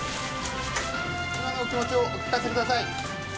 今のお気持ちをお聞かせください